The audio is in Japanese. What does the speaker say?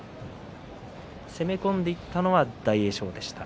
攻め込んでいったのは大栄翔でした。